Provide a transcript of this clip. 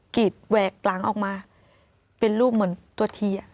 กีดแหวกหลังออกมาเป็นรูปเหมือนตัวที